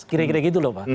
kira kira gitu loh pak